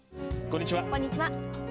こんにちは。